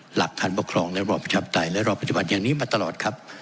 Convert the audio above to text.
หลักทหารบกรองและรอบประชับไตอันดับปัจจุบันอย่างนี้มาตลอดครับ